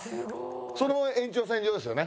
その延長線上ですよね。